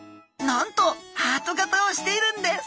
なんとハート形をしているんです！